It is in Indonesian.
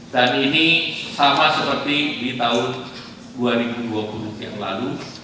dan ini sama seperti di tahun dua ribu dua puluh yang lalu